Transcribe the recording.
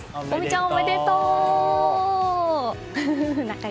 おめでとう！